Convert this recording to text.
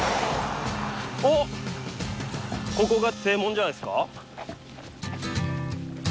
おっここが正門じゃないですか？